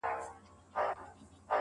علم د انسان ځواک دی.